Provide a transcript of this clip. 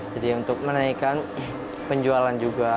jadi untuk menaikkan penjualan juga